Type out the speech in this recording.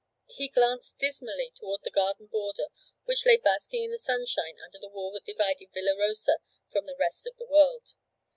He glanced dismally toward the garden border which lay basking in the sunshine under the wall that divided Villa Rosa from the rest of the world.